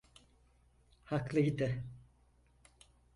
Haklıydı.